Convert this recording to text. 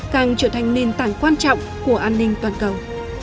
càng trở thành nền tảng quan trọng của an ninh toàn cầu